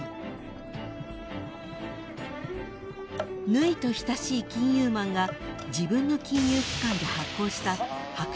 ［縫と親しい金融マンが自分の金融機関で発行した］